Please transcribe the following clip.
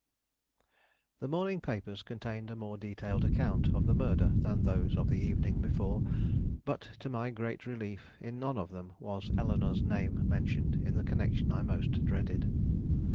The morning papers contained a more detailed account of the murder than those of the evening before; but, to my great relief, in none of them was Eleanore's name mentioned in the connection I most dreaded.